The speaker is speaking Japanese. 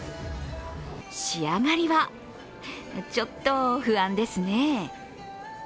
仕上がりはちょっと不安ですね。